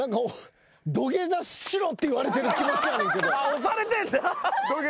押されてんだ。